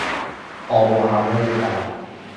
آب و هوای بد